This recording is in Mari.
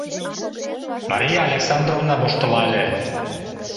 Мария Александровна воштылале.